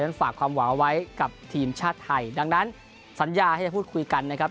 ฝากความหวังเอาไว้กับทีมชาติไทยดังนั้นสัญญาที่จะพูดคุยกันนะครับ